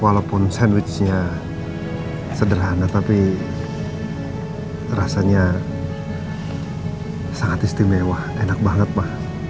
walaupun sandwichnya sederhana tapi rasanya sangat istimewa enak banget pak